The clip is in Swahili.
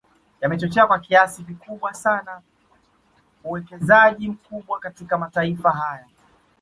Yamechochea kwa kiasi kikubwa sana uwekezaji mkubwa katika mataifa haya